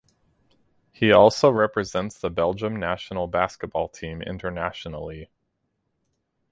He also represents the Belgium national basketball team internationally.